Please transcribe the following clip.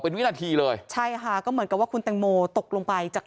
เป็นวินาทีเลยใช่ค่ะก็เหมือนกับว่าคุณแตงโมตกลงไปจาก